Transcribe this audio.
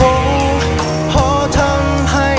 ยังเพราะความสำคัญ